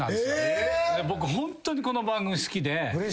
僕ホントにこの番組好きで。